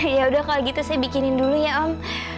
ya udah kalau gitu saya bikinin dulu ya om